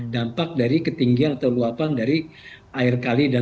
dampak dari ketinggian atau luapan dari air kali